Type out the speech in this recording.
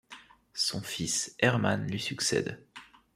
Son fils, Hermann, lui succède.